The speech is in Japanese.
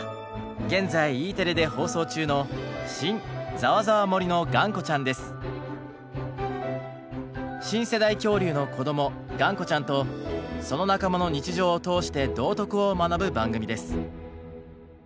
現在Ｅテレで放送中の新世代恐竜のこどもがんこちゃんとその仲間の日常を通して道徳を学ぶ番組です。